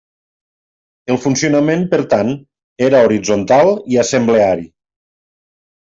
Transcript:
El funcionament, per tant, era horitzontal i assembleari.